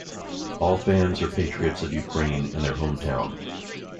All fans are patriots of Ukraine and their hometown.